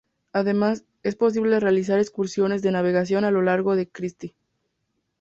Además, es posible realizar excursiones de navegación en lago Christie.